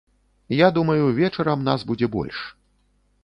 Я думаю, вечарам нас будзе больш.